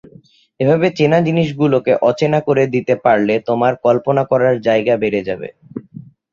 এভাবে চেনা জিনিসগুলোকে অচেনা করে দিতে পারলে তোমার কল্পনা করার জায়গা বেড়ে যাবে।